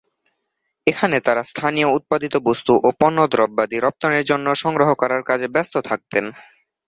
এখানে তারা স্থানীয় উৎপাদিত বস্ত্ত ও পণ্যদ্রব্যাদি রপ্তানির জন্য সংগ্রহ করার কাজে ব্যস্ত থাকতেন।